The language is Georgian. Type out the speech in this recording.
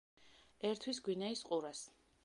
ერთვის გვინეის ყურეს.